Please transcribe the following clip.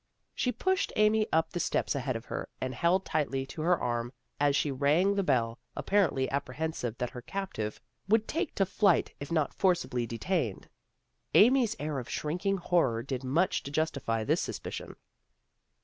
She pushed Amy up the steps ahead of her, and held tightly to her arm, as she rang the bell, apparently apprehensive that her captive would take to flight if not forcibly detained. Amy's air of shrinking horror did much to justify this suspicion.